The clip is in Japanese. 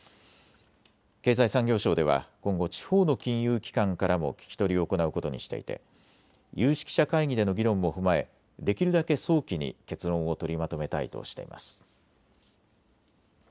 経済産業省では今後、地方の金融機関からも聴き取りを行うことにしていて有識者会議での議論も踏まえできるだけ早期に結論を取りまとめたいとしています。